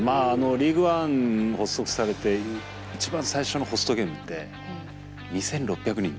リーグワン発足されて一番最初のホストゲームって２６００人だったんですよ。